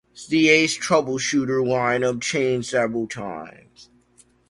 The Ace Troubleshooter lineup changed several times.